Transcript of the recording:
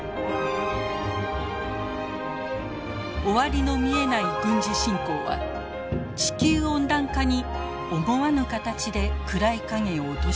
終わりの見えない軍事侵攻は地球温暖化に思わぬ形で暗い影を落としていました。